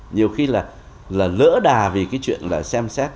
nhiều khi là lỡ đà vì chuyện xem xét